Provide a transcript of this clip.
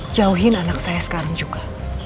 jauhin anak saya sekarang juga